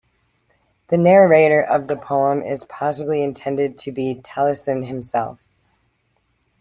The narrator of the poem is possibly intended to be Taliesin himself.